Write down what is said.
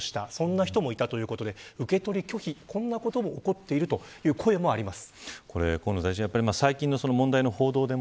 そんな人もいたということで受け取り拒否も起こっているという声もあります。